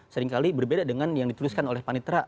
seringkali berbeda dengan yang dituliskan oleh panitra